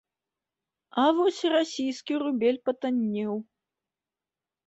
А вось расійскі рубель патаннеў.